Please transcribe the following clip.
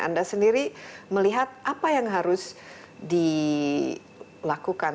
anda sendiri melihat apa yang harus dilakukan